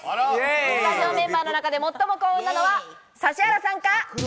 スタジオメンバーの中で最も幸運なのは指原さんか。